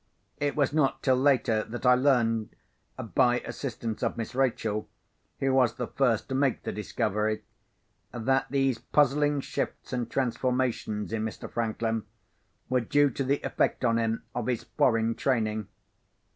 It was not till later that I learned—by assistance of Miss Rachel, who was the first to make the discovery—that these puzzling shifts and transformations in Mr. Franklin were due to the effect on him of his foreign training.